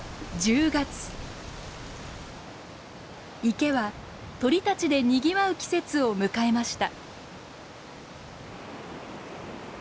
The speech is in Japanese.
池は鳥たちでにぎわう季節を迎えました。